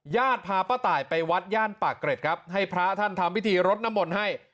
ญาติพาป้าตายไปวัดย่านปากเกร็ดครับให้พระท่านทำพิธีรดน้ำมนต์ให้